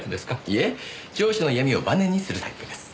いえ上司の嫌味をバネにするタイプです。